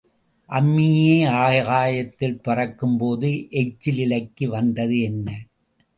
அம்மியே ஆகாயத்தில் பறக்கும்போது எச்சில் இலைக்கு வந்தது என்ன?